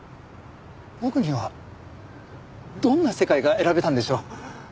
僕にはどんな世界が選べたんでしょう？